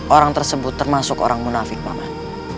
orang tersebut termasuk orang munafik paman